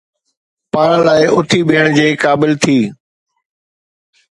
پاڻ لاء اٿي بيهڻ جي قابل ٿي